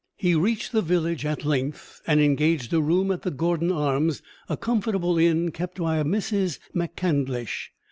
He reached the village at length, and engaged a room at the Gordon Arms, a comfortable inn kept by a Mrs. Mac Candlish.